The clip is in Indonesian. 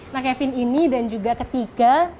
nah kevin ini dan juga ketiga